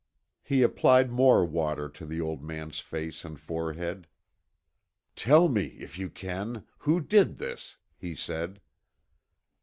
He applied more water to the old man's face and forehead. "Tell me, if you can, who did this?" he said.